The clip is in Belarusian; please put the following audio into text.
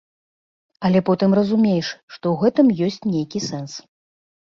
Але потым разумееш, што ў гэтым ёсць нейкі сэнс.